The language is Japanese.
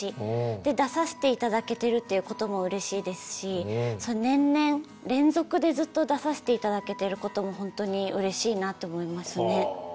出させて頂けてるっていうこともうれしいですし年々連続でずっと出させて頂けてることもほんとにうれしいなって思いますね。